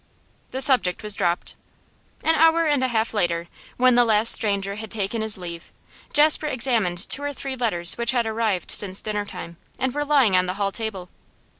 The subject was dropped. An hour and a half later, when the last stranger had taken his leave, Jasper examined two or three letters which had arrived since dinner time and were lying on the hall table.